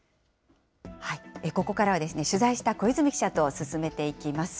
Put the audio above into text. ここからは取材した小泉記者と進めていきます。